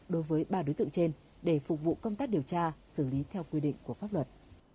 đối với ba đối tượng trên để phục vụ công tác điều tra xử lý theo quy định của pháp luật